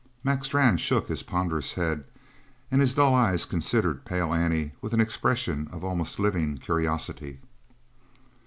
Mac Strann shook his ponderous head and his dull eyes considered Pale Annie with an expression of almost living curiosity.